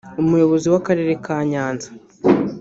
Umuyobozi w’Akarere ka Nyanza